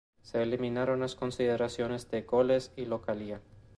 Se eliminaron las consideraciones de goles y localía.